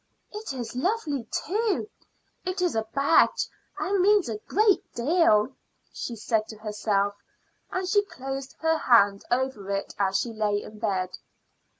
"It is lovely too. It is a badge, and means a great deal," she said to herself, and she closed her hand over it as she lay in bed.